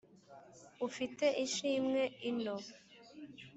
ufite ishimwe ino.